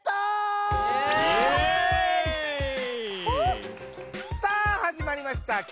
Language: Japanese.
ホ！さあはじまりました。